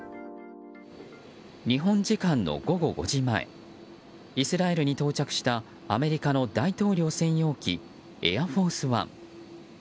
日本時間の午後５時前イスラエルに到着したアメリカの大統領専用機「エアフォースワン」。